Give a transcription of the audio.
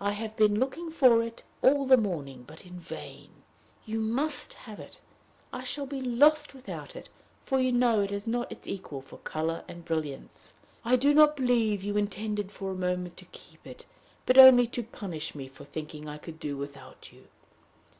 I have been looking for it all the morning, but in vain. You must have it. I shall be lost without it, for you know it has not its equal for color and brilliance. I do not believe you intended for a moment to keep it, but only to punish me for thinking I could do without you.